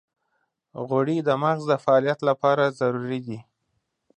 غوړې د مغز د فعالیت لپاره ضروري دي.